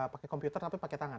pakai komputer tapi pakai tangan